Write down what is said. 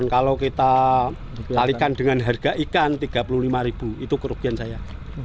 kalau kita alihkan dengan harga ikan tiga puluh lima itu kerugian saya